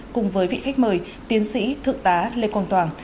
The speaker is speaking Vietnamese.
cùng với vị khách mời tiến sĩ thượng tá lê quang toàn